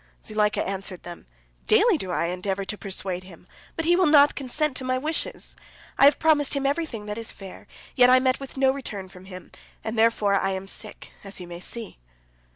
Zuleika answered them: "Daily do I endeavor to persuade him, but he will not consent to my wishes. I promised him everything that is fair, yet have I met with no return from him, and therefore I am sick, as you may see."